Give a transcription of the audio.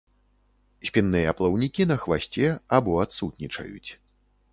Спінныя плаўнікі на хвасце або адсутнічаюць.